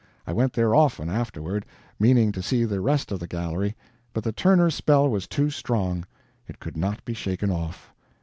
I went there often, afterward, meaning to see the rest of the gallery, but the Turner spell was too strong; it could not be shaken off.